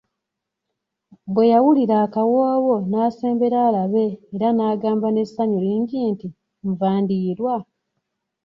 Bwe yawulira akawoowo n'asembera alabe era n'agamba n'essanyu lingi nti, nva ndiirwa!